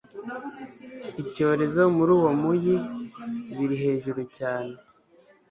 icyorezo muri uwo muyi biri hejuru cyane -